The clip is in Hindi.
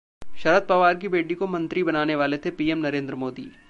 शरद पवार की बेटी को मंत्री बनाने वाले थे पीएम नरेंद्र मोदी!